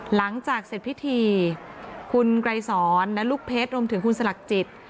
หลังจากเสร็จพิธีคุณไกรสอนและลูกเพชรรวมถึงคุณสลักจิต